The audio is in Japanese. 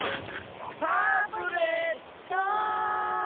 タブレットン！